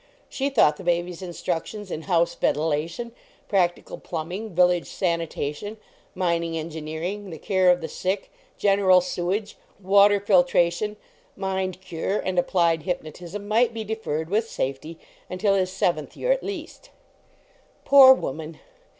She thought the baby s instructions in house ventilation, practical plumbing, village sanitation, mining engineering, the care of the sick, general sewage, water filtration, mind cure and applied hypnotism might be deferred with safety until his seventh year, at least. Poor woman